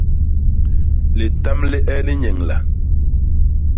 Litam li e li nyeñla.